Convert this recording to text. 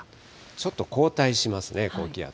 ちょっと後退しますね、高気圧。